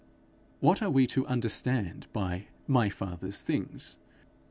What are we to understand by 'my father's things'?